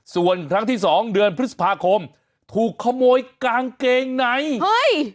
ส่วนครั้งที่สองเดือนพฤษภาคมถูกขโมยกางเกงในเฮ้ย